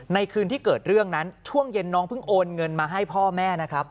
คืนที่เกิดเรื่องนั้นช่วงเย็นน้องเพิ่งโอนเงินมาให้พ่อแม่นะครับ